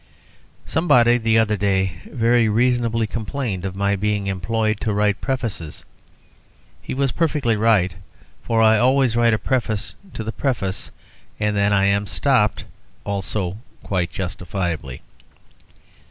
Somebody, the other day, very reasonably complained of my being employed to write prefaces. He was perfectly right, for I always write a preface to the preface, and then I am stopped; also quite justifiably.